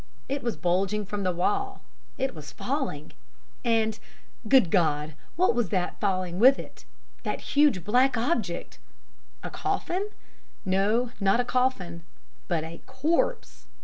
It was bulging from the wall; it was falling! And, Good God, what was that that was falling with it that huge black object? A coffin? No, not a coffin, but a corpse!